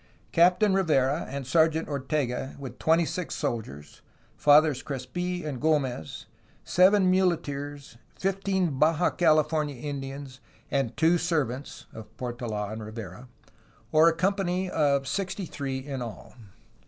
Captain SPANISH OCCUPATION OF ALTA CALIFORNIA 225 Rivera and Sergeant Ortega with twenty six soldiers, Fathers Crespf and G6mez, seven muleteers, fifteen Baja California Indians, and two servants (of Portold and Rivera), or a com pany of sixty three in all.